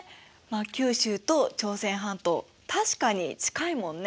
九州と朝鮮半島確かに近いもんね。